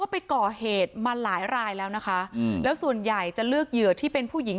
ไปก่อเหตุมาหลายรายแล้วนะคะแล้วส่วนใหญ่จะเลือกเหยื่อที่เป็นผู้หญิง